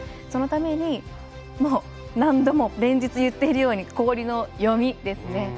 そのために何度も連日、言っているように氷の読みですね。